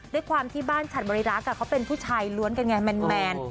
ด้วยความที่บ้านฉัดบริรักษ์เขาเป็นผู้ชายล้วนกันไงแมน